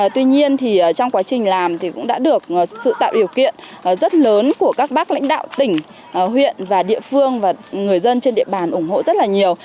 tuy nhiên trong quá trình làm cũng đã được sự tạo điều kiện rất lớn của các bác lãnh đạo tỉnh huyện địa phương và người dân trên địa bàn ủng hộ rất nhiều